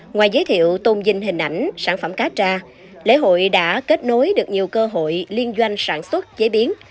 ngoài giới thiệu tôn vinh hình ảnh sản phẩm cá trà lễ hội đã kết nối được nhiều cơ hội liên doanh sản xuất chế biến